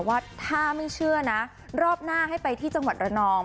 ว่าถ้าไม่เชื่อนะรอบหน้าให้ไปที่จังหวัดระนอง